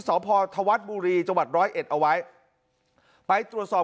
สพธวัฒน์บุรีจังหวัดร้อยเอ็ดเอาไว้ไปตรวจสอบ